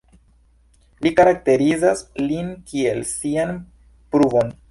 Li karakterizas lin kiel 'Sian pruvon'.